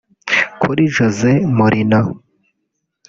Kuri Jose Mourinho